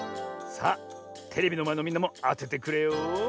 さあテレビのまえのみんなもあててくれよ。